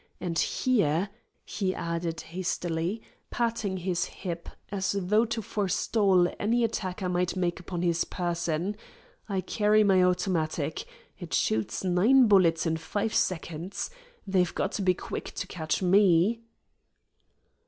And here," he added hastily, patting his hip, as though to forestall any attack I might make upon his person, "I carry my automatic. It shoots nine bullets in five seconds. They got to be quick to catch me."